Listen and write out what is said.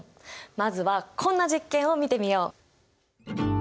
まずはこんな実験を見てみよう。